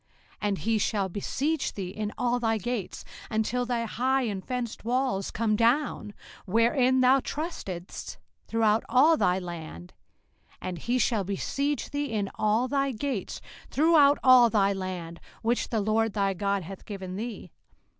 05:028:052 And he shall besiege thee in all thy gates, until thy high and fenced walls come down, wherein thou trustedst, throughout all thy land: and he shall besiege thee in all thy gates throughout all thy land, which the LORD thy God hath given thee.